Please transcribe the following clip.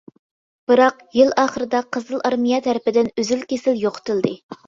بىراق، يىل ئاخىرىدا قىزىل ئارمىيە تەرىپىدىن ئۈزۈل-كېسىل يوقىتىلدى.